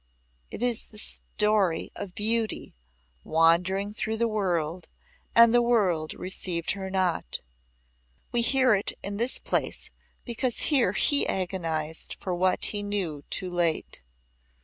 It he story of Beauty wandering through the world and the world received her not. We hear it in this place because here he agonized for what he knew too late."